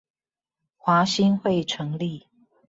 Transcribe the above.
華興會成立